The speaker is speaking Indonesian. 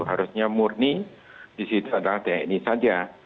harusnya murni di situ adalah tni saja